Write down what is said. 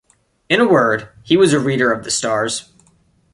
In a word, he was a reader of the stars.